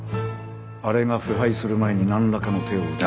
あれが腐敗する前に何らかの手を打たなければ。